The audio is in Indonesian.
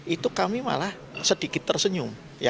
itu kami malah sedikit tersenyum